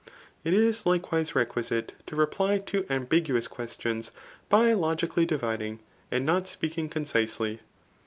''.' It is likewise requisite to reply to ambiguous questions, by logically dividing, and not speaking concisely.